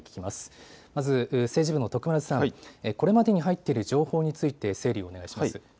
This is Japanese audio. まず政治部の徳丸さん、これまでに入っている情報について整理をお願いします。